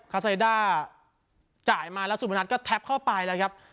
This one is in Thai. คาไซด้าจ่ายมาแล้วสุพนัทก็แทบเข้าไปแล้วครับ